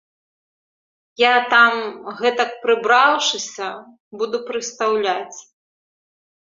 Я там, гэтак прыбраўшыся, буду прыстаўляць.